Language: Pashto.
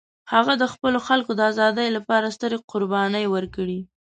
هغه د خپل خلکو د ازادۍ لپاره سترې قربانۍ ورکړې.